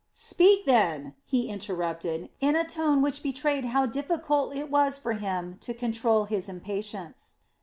"Speak then!" he interrupted, in a tone which betrayed how difficult it was for him to control his impatience.